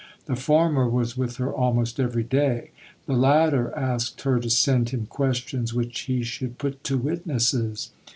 The former was with her almost every day; the latter asked her to send him questions which he should put to witnesses.